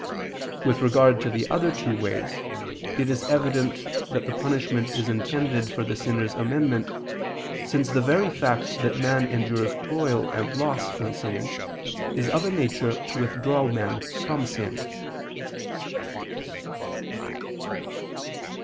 With regard to the other two ways, it is evident that the punishment is intended for the sinner's amendment, since the very fact that man endures toil and loss in sinning, is of a nature to withdraw man from sin.